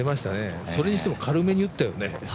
それにしても軽めに打ったよね。